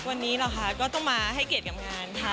วันนี้เราค่ะก็ต้องมาให้เกียรติกับงานค่ะ